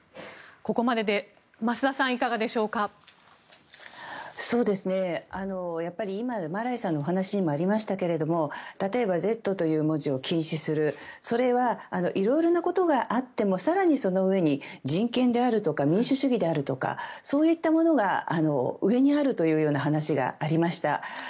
ここまでで増田さんいかがでしょうか。今、マライさんのお話にもありましたけれども例えばＺという文字を禁止するそれはいろいろなことがあっても更にその上に人権であるとか民主主義であるとかそういったものが上にあるというような話がありました。